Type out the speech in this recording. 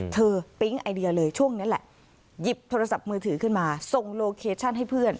ปิ๊งไอเดียเลยช่วงนั้นแหละหยิบโทรศัพท์มือถือขึ้นมาส่งโลเคชั่นให้เพื่อน